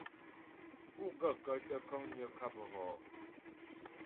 Pú gaə̂kə́ tə kə̀ŋgnə̀ ŋkâp hɔ ?